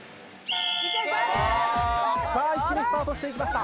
さあ一気にスタートしていきました。